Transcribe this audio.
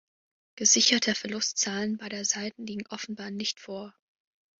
Gesicherte Verlustzahlen beider Seiten liegen offenbar nicht vor.